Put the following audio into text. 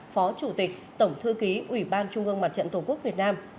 phó chủ tịch tổng thư ký ủy ban trung ương mặt trận tổ quốc việt nam